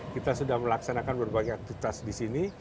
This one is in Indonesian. kita sudah melaksanakan berbagai aktivitas di sini